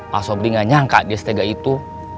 pas obli gak nyangka dia setega itu